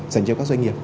dành cho các doanh nghiệp